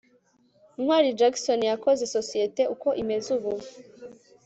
ntwali jackson yakoze sosiyete uko imeze ubu